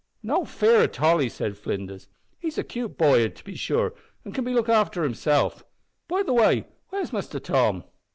"No fear o' Tolly," said Flinders; "he's a 'cute boy as can look after himself. By the way, where's Muster Tom?"